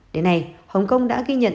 đến nay hồng kông đã ghi nhận